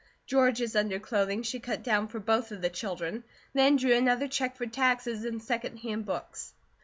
George's underclothing she cut down for both of the children; then drew another check for taxes and second hand books.